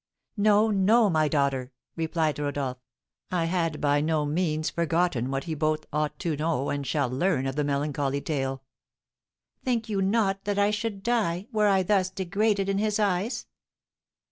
"No, no, my daughter," replied Rodolph, "I had by no means forgotten what he both ought to know and shall learn of the melancholy tale." "Think you not that I should die, were I thus degraded in his eyes?"